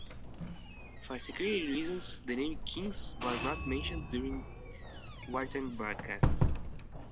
For security reasons, the name "King's" was not mentioned during wartime broadcasts.